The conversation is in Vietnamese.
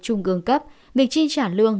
chung gương cấp việc chi trả lương